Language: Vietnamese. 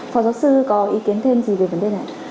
phó giáo sư có ý kiến thêm gì về vấn đề này ạ